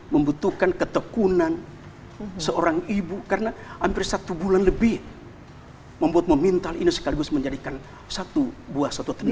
membutuhkan ketekunan seorang ibu karena hampir satu bulan lebih membuat memintal ini sekaligus menjadikan satu buah satu tenis